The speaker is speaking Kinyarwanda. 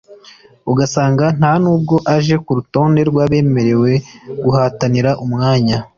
ugasanga nta nubwo aje ku rutonde rw’abemerewe guhatanira umwanya